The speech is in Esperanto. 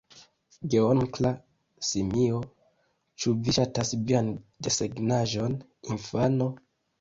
Geonkla simio: "Ĉu vi ŝatas vian desegnaĵon, infano?"